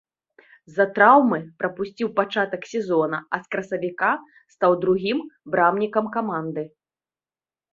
З-за траўмы прапусціў пачатак сезона, а з красавіка стаў другім брамнікам каманды.